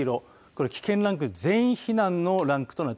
これ危険ランク全員避難のランクです。